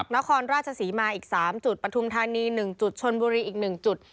นครราชศรีมาอีก๓จุดปฐุมธานี๑จุดชนบุรีอีก๑จุด